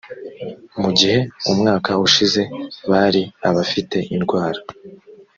mu gihe umwaka ushize bari abafite indwara